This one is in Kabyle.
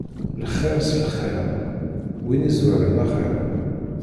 Lxiṛ s lxiṛ, win izwaren axiṛ.